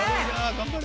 頑張れ！